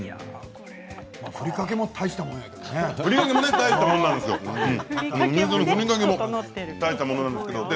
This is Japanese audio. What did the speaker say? ふりかけも大したもんだけどね。